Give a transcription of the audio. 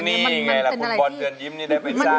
นี่ไงแหละคนบอร์นเกือดยิ้มนี่ได้เป็นสร้าง